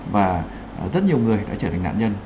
và rất nhiều người đã trở thành nạn nhân